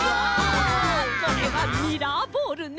これはミラーボールね。